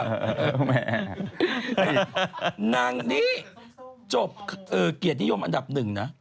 ล่ะครับนั้นนี่จบเกียรตินิยมอันดับหนึ่งนะ